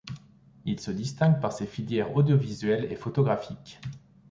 Il se distingue par ses filières audiovisuelles et photographiques.